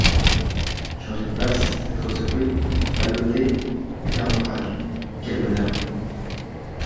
Changer de place, être secouée, bal lottée et faire naufrage, quel bonheur !